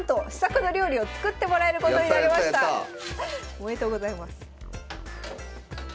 おめでとうございます。